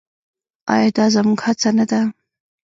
آیا دا زموږ هڅه نه ده؟